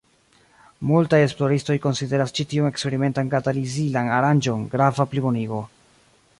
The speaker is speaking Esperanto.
Multaj esploristoj konsideras ĉi tiun eksperimentan katalizilan aranĝon grava plibonigo.